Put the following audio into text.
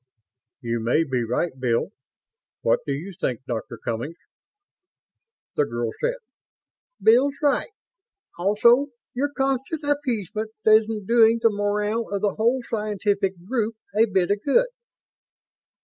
"You may be right, Bill. What do you think, Dr. Cummings?" The girl said: "Bill's right. Also, your constant appeasement isn't doing the morale of the whole scientific group a bit of good."